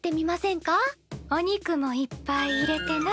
お肉もいっぱい入れてな。